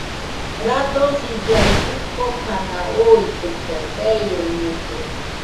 Radosillaɨ dɨkokana uitɨkue, feireñellena.